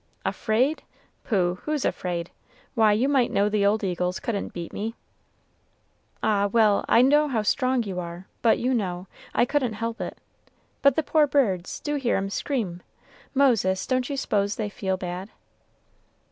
"Afraid? Pooh! Who's afraid? Why, you might know the old eagles couldn't beat me." "Ah, well, I know how strong you are; but, you know, I couldn't help it. But the poor birds, do hear 'em scream. Moses, don't you suppose they feel bad?"